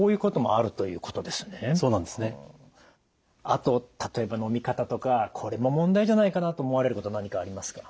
あと例えばのみ方とかこれも問題じゃないかなと思われること何かありますか？